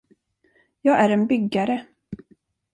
Jag är en byggare.